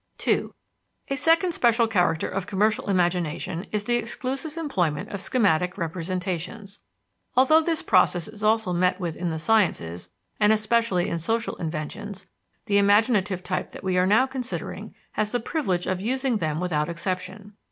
(2) A second special character of commercial imagination is the exclusive employment of schematic representations. Although this process is also met with in the sciences and especially in social inventions, the imaginative type that we are now considering has the privilege of using them without exception.